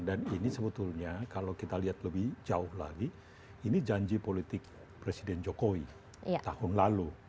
dan ini sebetulnya kalau kita lihat lebih jauh lagi ini janji politik presiden jokowi tahun lalu